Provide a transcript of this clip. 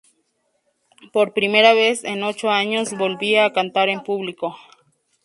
Por primera vez en ocho años volvía a cantar en público.